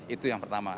itu yang pertama